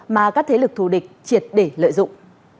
mà các thế lực thù địch triệt để lợi dụng